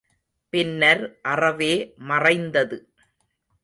பின்னர் அறவே மறைந்தது.